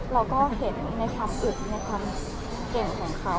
เราก็เห็นในความอึดในความเก่งของเขา